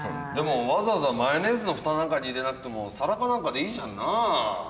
でもわざわざマヨネーズの蓋なんかに入れなくても皿かなんかでいいじゃんなぁ。